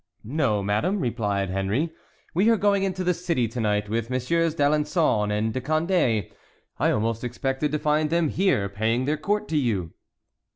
"No, madame," replied Henry, "we are going into the city to night, with Messieurs d'Alençon and De Condé. I almost expected to find them here paying their court to you."